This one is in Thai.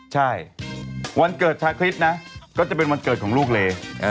ใช่วันเกิดชาคริสนะก็จะเป็นวันเกิดของลูกเล